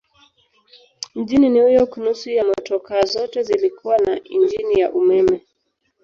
Mjini New York nusu ya motokaa zote zilikuwa na injini ya umeme.